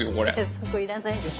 そこいらないでしょ。